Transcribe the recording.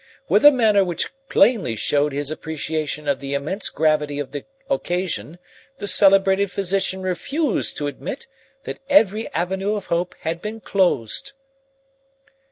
With a manner which plainly showed his appreciation of the immense gravity of the occasion, the celebrated physician refused to admit that every avenue of hope had been closed."